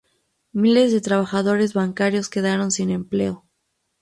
Miles de trabajadores bancarios quedaron sin empleo.